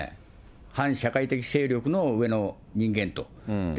反社会的勢力の上の人間と。